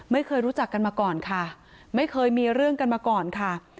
ไม่เคยรู้จักกันมาก่อนค่ะไม่เคยมีเรื่องกันมาก่อนค่ะ